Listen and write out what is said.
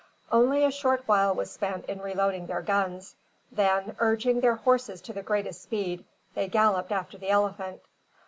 Only a short while was spent in reloading their guns; then, urging their horses to the greatest speed, they galloped after the elephant.